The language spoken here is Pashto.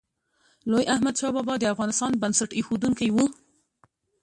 لوی احمدشاه بابا د افغانستان بنسټ ایښودونکی و.